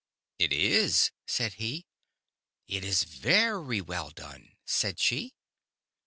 " It is," said he. " It is very well done," said she.